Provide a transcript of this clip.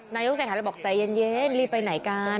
นายกุศิษย์ธรรมบอกใจเย็นรีบไปไหนกัน